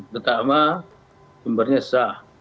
pertama sumbernya sah